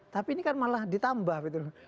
tapi ini kan malah ditambah